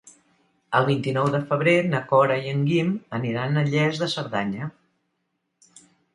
El vint-i-nou de febrer na Cora i en Guim aniran a Lles de Cerdanya.